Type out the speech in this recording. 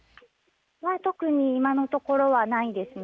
特に今のところはないですね。